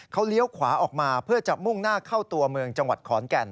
เขาเลี้ยวขวาออกมาเพื่อจะมุ่งหน้าเข้าตัวเมืองจังหวัดขอนแก่น